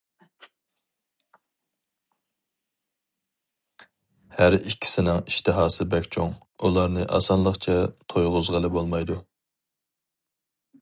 ھەر ئىككىسىنىڭ ئىشتىھاسى بەك چوڭ، ئۇلارنى ئاسانلىقچە تويغۇزغىلى بولمايدۇ.